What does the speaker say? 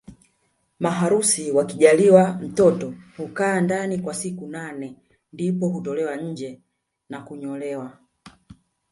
Maharusi wakijaliwa mtoto hukaa ndani kwa siku nane ndipo hutolewa nje na kunyolewa